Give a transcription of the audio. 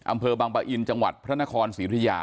อำเภอบางปะอินจังหวัดพระนครศรีธุยา